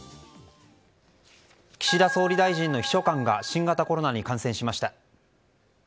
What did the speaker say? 岸田総理大臣の秘書官が新型コロナに感染しました。